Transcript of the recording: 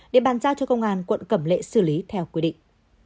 để bàn giao cho công an quận cẩm lệ xử lý theo quy định